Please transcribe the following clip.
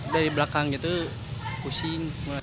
dari belakang gitu pusing